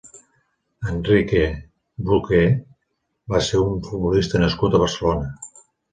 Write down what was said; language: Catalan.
Enrique Buqué va ser un futbolista nascut a Barcelona.